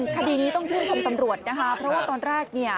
คดีนี้ต้องชื่นชมตำรวจนะคะเพราะว่าตอนแรกเนี่ย